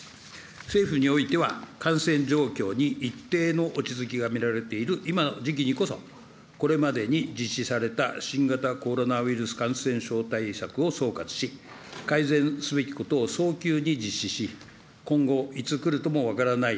政府においては、感染状況に一定の落ち着きが見られている今の時期にこそ、これまでに実施された新型コロナウイルス感染症対策を総括し、改善すべきことを早急に実施し、今後、いつ来るとも分からない